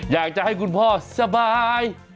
อยากจะให้คุณพ่อสบาย